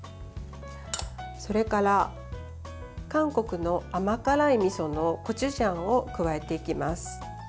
それから韓国の甘辛いみそのコチュジャンを加えていきます。